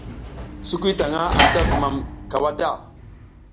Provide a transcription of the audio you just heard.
Sukuy taƞʼha anta zumam cawa ta.